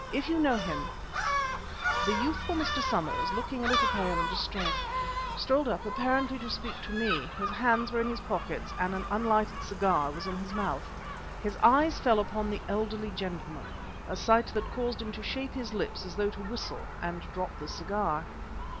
If you know him " The youthful Mr. Somers, looking a little pale and distrait, strolled up apparently to speak to me; his hands were in his pockets and an unlighted cigar was in his mouth. His eyes fell upon the elderly gentleman, a sight that caused him to shape his lips as though to whistle and drop the cigar.